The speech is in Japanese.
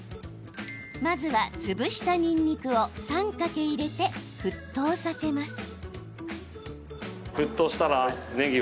まずは潰した、にんにくを３かけ入れて沸騰させます。